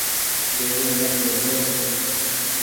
بيرينگ مت ليجو ۔